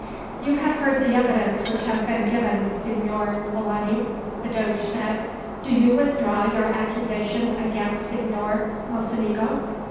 "You have heard the evidence which has been given, Signor Polani," the doge said. "Do you withdraw your accusation against Signor Mocenigo?"